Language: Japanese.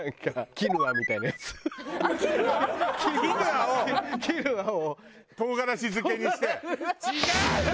キヌアを唐辛子漬けにして。